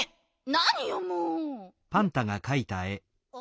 なによもうん？